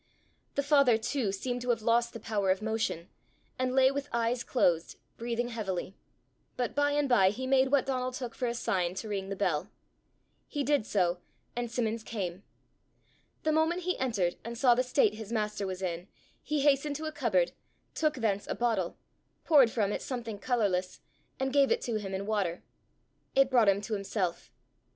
The father too seemed to have lost the power of motion, and lay with his eyes closed, breathing heavily. But by and by he made what Donal took for a sign to ring the bell. He did so, and Simmons came. The moment he entered, and saw the state his master was in, he hastened to a cupboard, took thence a bottle, poured from it something colourless, and gave it to him in water. It brought him to himself.